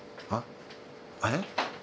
あれ？